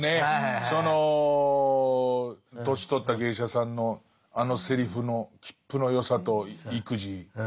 その年取った芸者さんのあのセリフのきっぷのよさと意気地。